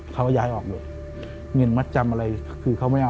เขาก็ย้ายออกเลยเงินมาจำคืออะไร